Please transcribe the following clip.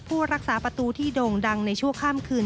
ผู้รักษาประตูที่โด่งดังในชั่วข้ามคืน